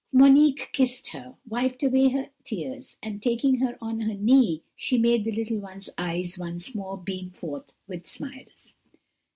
Monique kissed her, wiped away her tears, and, taking her on her knee, she made the little one's eyes once more beam forth with smiles."